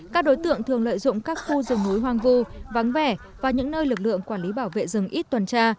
các đối tượng thường lợi dụng các khu rừng núi hoang vu vắng vẻ và những nơi lực lượng quản lý bảo vệ rừng ít tuần tra